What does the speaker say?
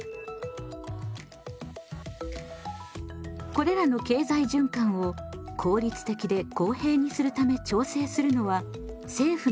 これらの経済循環を効率的で公平にするため調整するのは政府の役割です。